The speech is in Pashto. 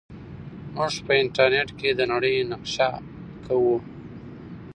موږ په انټرنیټ کې د نړۍ نقشه ګورو.